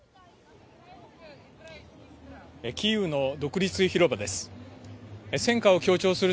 キーウの独立広場です。